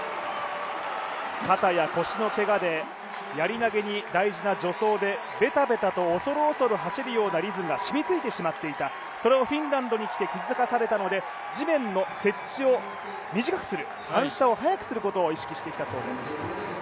肩や腰のけがでやり投に恐る恐る走るようなリズムが染みついてしまっていたそれをフィンランドに来て気付かされたので地面の接地を短くする、反射を短くするという練習をしてきたようです。